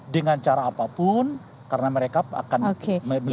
dengan cara apapun karena mereka akan memilih